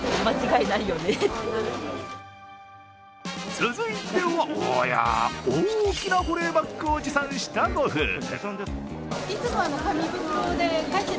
続いては、大きな保冷バッグを持参したご夫婦。